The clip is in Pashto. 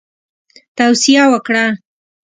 توصیه وکړه.